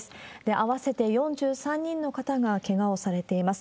合わせて４３人の方がけがをされています。